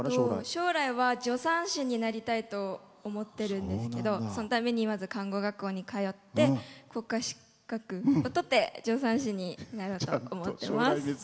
将来は助産師になりたいと思っているんですけどそのためにまず看護学校に通って国家資格を取って助産師になろうと思っています。